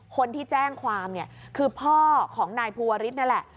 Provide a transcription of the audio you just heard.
คนที่แจ้งความเนี่ยคือพ่อของนายภูวริสนั่นแหละ